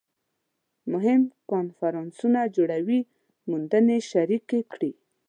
مهم کنفرانسونه جوړوي موندنې شریکې کړي